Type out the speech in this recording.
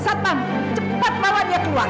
satpam cepat malah dia keluar